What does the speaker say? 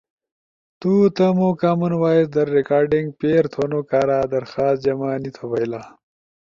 تو تمو کامن وائس در ریکارڈنگ پیر تھونو کارا درخواست جمع نی تھو بئیلا۔